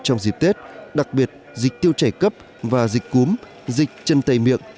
trong dịp tết đặc biệt dịch tiêu chảy cấp và dịch cúm dịch chân tay miệng